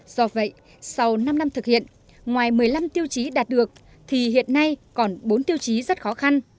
do vậy sau năm năm thực hiện ngoài một mươi năm tiêu chí đạt được thì hiện nay còn bốn tiêu chí rất khó khăn